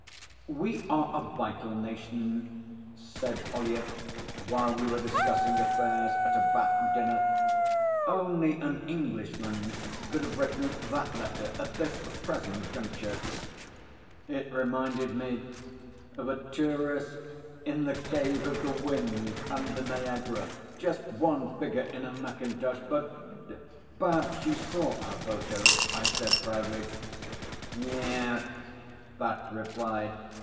'We are a vital nation,' said Ollyett while we were discussing affairs at a Bat dinner. 'Only an Englishman could have written that letter at this present juncture.' 'It reminded me of a tourist in the Cave of the Winds under Niagara. Just one figure in a mackintosh. But perhaps you saw our photo?' I said proudly. 'Yes,' Bat replied.